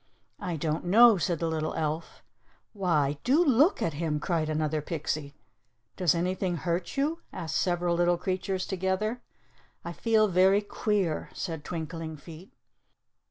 "I don't know," said the little elf. "Why, do look at him," cried another pixie. "Does anything hurt you?" asked several little creatures together. "I feel very queer," said Twinkling Feet.